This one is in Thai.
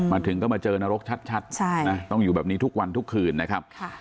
มาถึงก็มาเจอนรกชัดต้องอยู่แบบนี้ทุกวันทุกคืนนะครับ